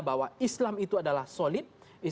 bahwa islam itu adalah solid